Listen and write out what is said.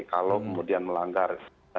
kalau kemudian melanggar